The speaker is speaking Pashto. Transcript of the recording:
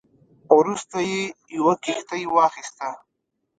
وروسته یې یوه کښتۍ واخیسته.